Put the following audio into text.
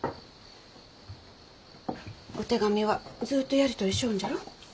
お手紙はずっとやり取りしょんじゃろ。